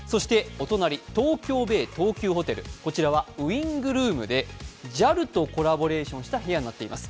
東急ベイ東急ホテル、こちらはウイングルームでＪＡＬとコラボレーションしたお部屋になっています。